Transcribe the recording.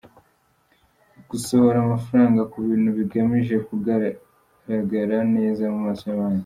Gusohora amafaranga ku bintu bigamije kugaragara neza mu maso y’abandi.